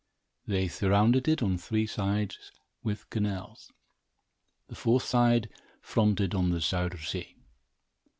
They surrounded it on three sides with canals. The fourth side fronted on the Zuyder Zee.